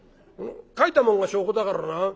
書いたもんが証拠だからな。